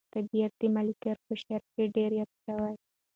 طبیعت د ملکیار په شعر کې ډېر یاد شوی.